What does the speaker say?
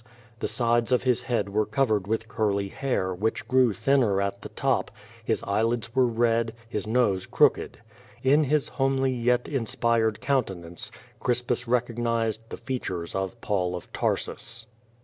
The sides of his head were covered with curly hair, which grew thinner at the top, his eyelids were red, his nose crooked. In his homely yi*t inspired countenance Crispus recognized the features of Paul of Tarsus.